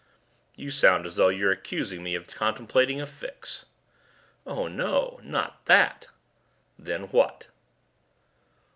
"You sound as though you're accusing me of contemplating a fix." "Oh no. Not that." "Then what?"